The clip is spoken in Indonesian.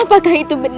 apakah itu berarti